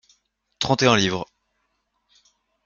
Trente et un livres.